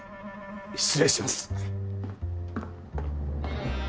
失礼します。